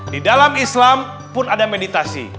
di dalam islam pun ada meditasi